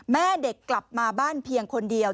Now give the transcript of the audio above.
แม่เด็กกลับมาบ้านเพียงคนเดียว